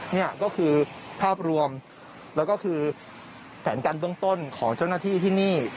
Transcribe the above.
นี่ก็คือภาพรวมแล้วก็คือแผนการเบื้องต้นของเจ้าหน้าที่ที่นี่